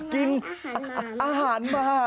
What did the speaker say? ของแม่งดูแหลงนะอาหารหมาย